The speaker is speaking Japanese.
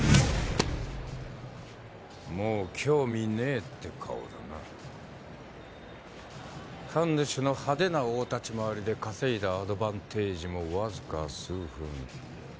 もう興味ねえって顔だな神主の派手な大立ち回りで稼いだアドバンテージもわずか数分